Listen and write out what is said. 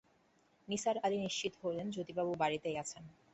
নিসার আলি নিশ্চিত হলেন জ্যোতিবাবু বাড়িতেই আছেন।